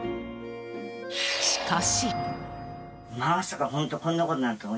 しかし。